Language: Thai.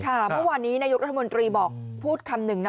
ค่ะวันนี้นายุทธมนตรีบอกพูดคำหนึ่งนะ